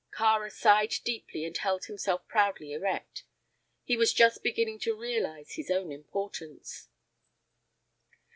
Kāra sighed deeply and held himself proudly erect. He was just beginning to realize his own importance.